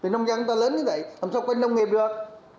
nông dân người ta lớn như vậy làm sao có nông nghiệp được